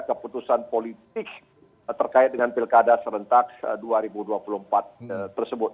keputusan politik terkait dengan pilkada serentak dua ribu dua puluh empat tersebut